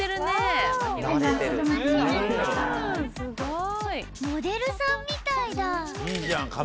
すごい！